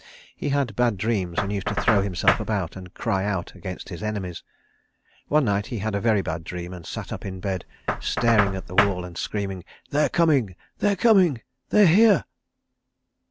He had bad dreams and used to throw himself about and cry out against his enemies. One night he had a very bad dream, and sat up in bed, staring at the wall and screaming, "They are coming, they are coming, they are here!"